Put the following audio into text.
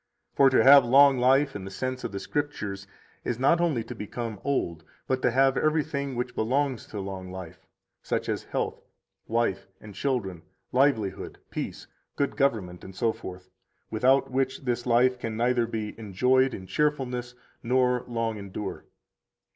For to have long life in the sense of the Scriptures is not only to become old, but to have everything which belongs to long life, such as health, wife, and children, livelihood, peace, good government, etc., without which this life can neither be enjoyed in cheerfulness nor long endure.